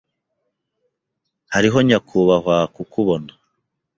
Hariho nyakubahwa kukubona.